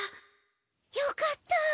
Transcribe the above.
よかった。